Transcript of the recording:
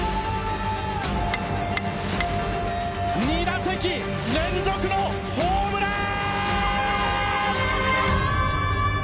２打席連続のホームラン！